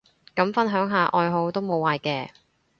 咁分享下愛好都無壞嘅